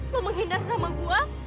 lo menghindar sama gue